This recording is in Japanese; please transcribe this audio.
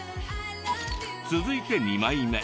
続いて２枚目。